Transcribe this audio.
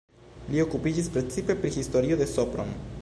Li okupiĝis precipe pri historio de Sopron.